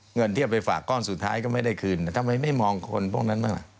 เงินที่เอาไปฝากก้อนสุดท้ายก็ไม่ได้คืนทำไมไม่มองคนพวกนั้นบ้างล่ะ